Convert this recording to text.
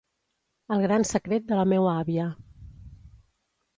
El gran secret de la meua àvia.